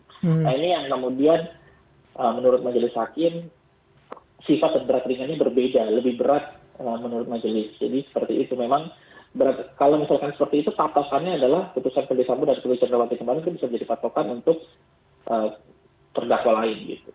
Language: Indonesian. jadi seperti itu memang kalau misalkan seperti itu patokannya adalah keputusan kebijakmu dan kebijaknya wakil kemarin itu bisa dipatokan untuk terdakwa lain